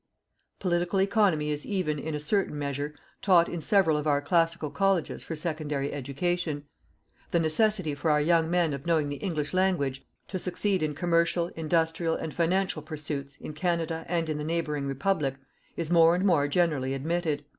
Political economy is even, in a certain measure, taught in several of our classical colleges for secondary education. The necessity for our young men of knowing the English language, to succeed in commercial, industrial and financial pursuits in Canada and in the neighbouring Republic, is more and more generally admitted.